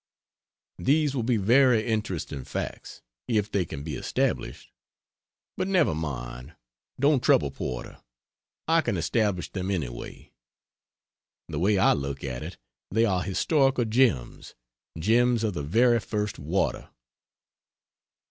These will be very interesting facts, if they can be established. But never mind, don't trouble Porter, I can establish them anyway. The way I look at it, they are historical gems gems of the very first water.